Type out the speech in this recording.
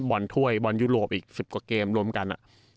ถ้วยบอลยุโรปอีก๑๐กว่าเกมรวมกัน